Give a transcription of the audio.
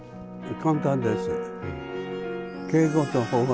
簡単です。